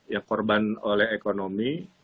yang korban oleh ekonomi